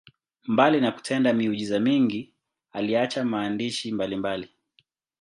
Mbali na kutenda miujiza mingi, aliacha maandishi mbalimbali.